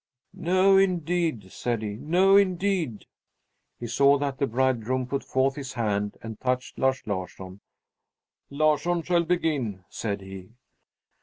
"No, indeed!" said he. "No, indeed!" He saw that the bridegroom put forth his hand and touched Lars Larsson. "Larsson shall begin," said he.